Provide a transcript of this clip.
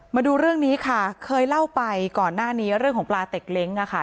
มาดูเรื่องนี้ค่ะเคยเล่าไปก่อนหน้านี้เรื่องของปลาเต็กเล้งค่ะ